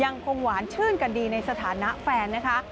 หวานชื่นกันดีในสถานะแฟนนะคะ